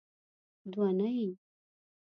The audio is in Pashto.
دونۍ